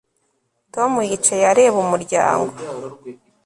Tom yicaye areba umuryango